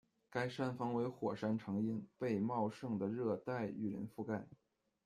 该山峰为火山成因，被茂盛的热带雨林覆盖。